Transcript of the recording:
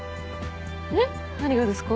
えっ？何がですか？